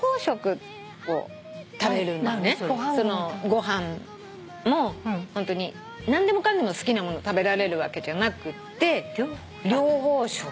ご飯も何でもかんでも好きなもの食べられるわけじゃなくって療法食。